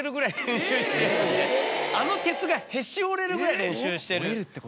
あの鉄がへし折れるぐらい練習してる。